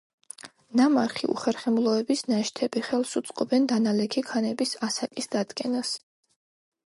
ნამარხი უხერხემლოების ნაშთები ხელს უწყობენ დანალექი ქანების ასაკის დადგენას.